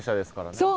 そう。